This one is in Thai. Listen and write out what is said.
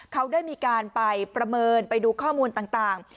เขาได้มีการไปประเมินไปดูข้อมูลต่าง